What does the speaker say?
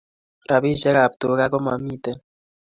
Rapishek ab tuka ko mamiten